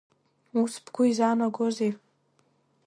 Ус бгәы изаанагозеи?